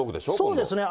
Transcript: そうですね。